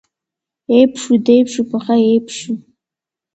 Иеиԥшу деиԥшуп, аха иеиԥшым?